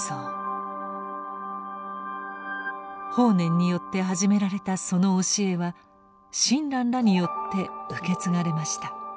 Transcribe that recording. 法然によって始められたその教えは親鸞らによって受け継がれました。